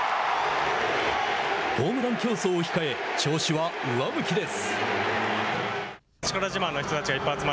ホームラン競争を控え調子は上向きです。